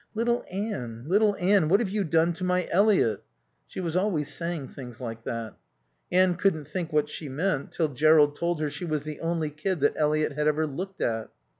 "Little Anne, little Anne, what have you done to my Eliot?" She was always saying things like that. Anne couldn't think what she meant till Jerrold told her she was the only kid that Eliot had ever looked at.